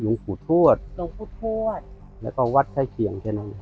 หนูคู่ถวดหนูคู่ถวดแล้วก็วัดใกล้เคียงใช่ไหม